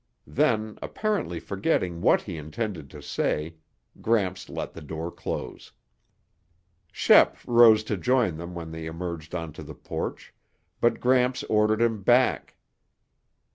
Then, apparently forgetting what he intended to say, Gramps let the door close. Shep rose to join them when they emerged onto the porch, but Gramps ordered him back.